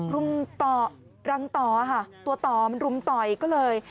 รุมต่อรังต่อค่ะตัวต่อมันรุมต่อยก็เลย